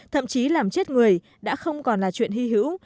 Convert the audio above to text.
thậm chí làm chết người đã không còn là chuyện hy hữu